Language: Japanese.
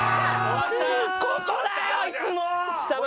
ここだよいつも！